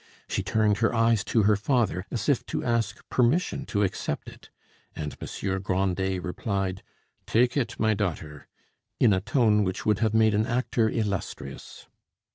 She turned her eyes to her father as if to ask permission to accept it, and Monsieur Grandet replied: "Take it, my daughter," in a tone which would have made an actor illustrious.